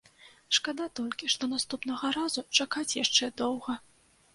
Шкада толькі, што наступнага разу чакаць яшчэ доўга!